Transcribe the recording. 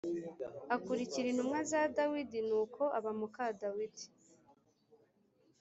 akurikira intumwa za Dawidi. Nuko aba muka Dawidi.